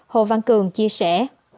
hồ văn cường chia sẻ